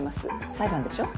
裁判でしょ？